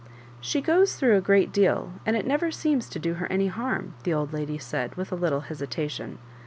^She goes through a great deal, and it never seems to do her any harm," the old lady said, with a little hesitation.